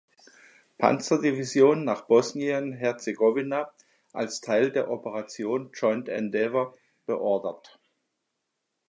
Panzerdivision" nach Bosnien-Herzegowina als Teil der Operation Joint Endeavour beordert.